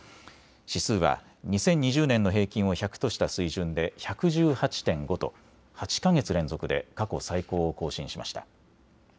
指数は２０２０年の平均を１００とした水準で１１８．５と８か月連続で過去最高を更新しました。